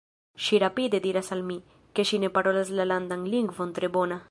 Ŝi rapide diras al mi, ke ŝi ne parolas la landan lingvon tre bone.